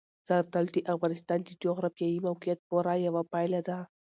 زردالو د افغانستان د جغرافیایي موقیعت پوره یوه پایله ده.